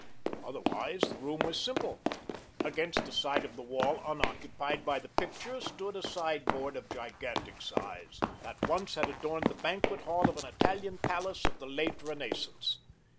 Otherwise, the room was simple. Against the side of the wall unoccupied by the picture stood a sideboard of gigantic size, that once had adorned the banquet hall of an Italian palace of the late Renaissance.